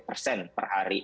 persen per hari